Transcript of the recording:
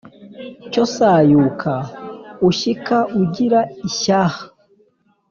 cyo sayuka ushyika ugira ishyaha